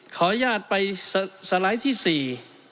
ขออนุญาตไปสไลด์ที่สี่